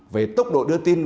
về tốc độ đưa tin